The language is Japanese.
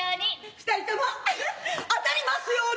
二人とも当たりますように。